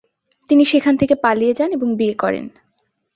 তিনি সেখান থেকে পালিয়ে যান এবং বিয়ে করেন।